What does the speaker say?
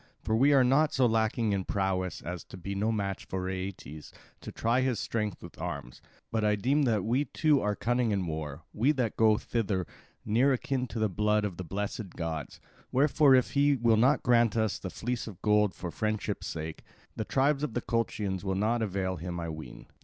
For we are not so lacking in prowess as to be no match for Aeetes to try his strength with arms; but I deem that we too are cunning in war, we that go thither, near akin to the blood of the blessed gods. Wherefore if he will not grant us the fleece of gold for friendship's sake, the tribes of the Colchians will not avail him, I ween."